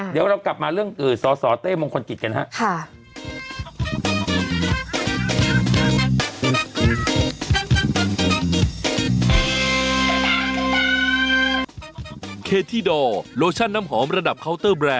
เดี๋ยวเรากลับมาเรื่องสสเต้มงคลกิจกันครับ